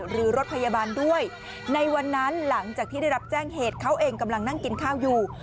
หรือรถพยาบาลด้วยในวันนั้นหลังจากที่ได้รับแจ้งเหตุเขาเองกำลังนั่งกินข้าวอยู่